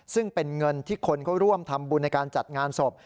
ซึ่งเป็นเงินที่คนเขาร่วมทำบุญในการจัดงานศพ